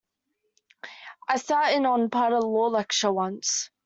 I sat in on part of a law lecture once.